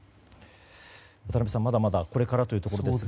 渡辺さん、まだまだこれからというところですが。